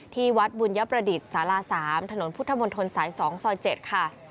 ที่วัดบุญยประดิษฐ์สารา๓ถนนพุทธมนตรสาย๒ซอย๗ค่ะ